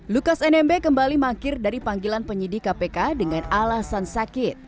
lukas nmb kembali mangkir dari panggilan penyidik kpk dengan alasan sakit